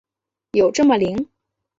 有这么灵？